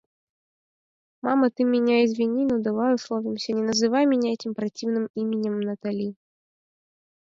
— Мама, ты меня извини, но давай условимся: не называй меня этим противным именем — Натали.